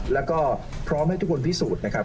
แล้วก็พร้อมให้ทุกคนพิสูจน์นะครับ